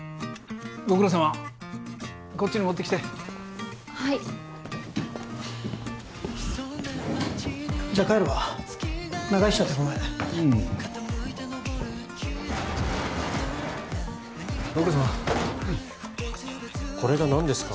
ご苦労さまこっちに持ってきてはいじゃ帰るわ長居しちゃってごめんうんご苦労さまこれが何ですか？